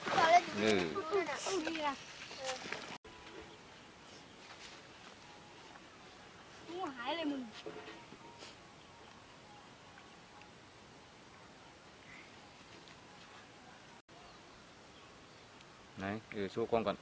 ไงเดี๋ยวช่วยก้องก่อน